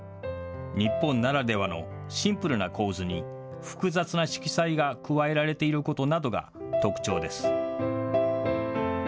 日本ならではのシンプルな構図に、複雑な色彩が加えられていることなどが特徴です。